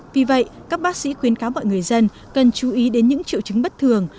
vì vậy các bác sĩ khuyến cáo mọi người dân cần chú ý đến những triệu chứng bất thường